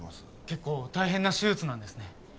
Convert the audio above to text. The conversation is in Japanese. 結構大変な手術なんですね。